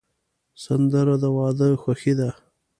سندره د واده خوښي ده